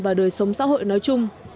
và đời sống xã hội nói chung